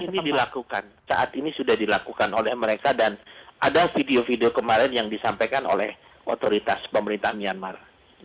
ini dilakukan saat ini sudah dilakukan oleh mereka dan ada video video kemarin yang disampaikan oleh otoritas pemerintah myanmar